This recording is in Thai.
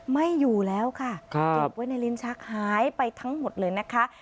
ไม่อยู่แล้วค่ะเก็บไว้ในลิ้นชักหายไปทั้งหมดเลยนะคะ